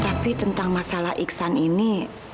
tapi tentang masalah iksan ini